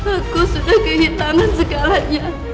aku sudah kehitangan segalanya